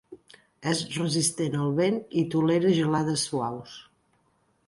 És resistent al vent i tolera gelades suaus.